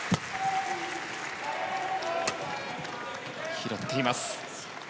拾っています。